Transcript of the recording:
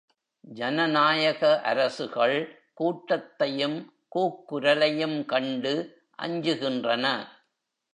ஜனநாயக அரசுகள் கூட்டத்தையும் கூக் குரலையும் கண்டு அஞ்சுகின்றன.